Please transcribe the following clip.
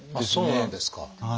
そうなんですか。